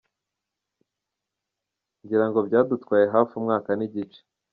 Ngira ngo byadutwaye hafi umwaka n’igice.